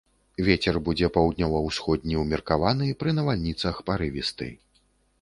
Вецер будзе паўднёва-ўсходні, умеркаваны, пры навальніцах парывісты.